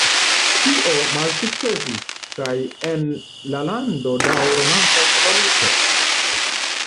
Tio malsukcesis, kaj en la lando daŭre mankas valuto.